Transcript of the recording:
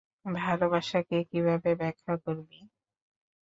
ভালবাসাকে কিভাবে ব্যাখ্যা করবি?